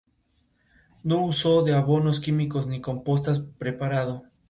Para conocer algo más del pasado del pueblo es imprescindible visitar el Museo Arqueológico.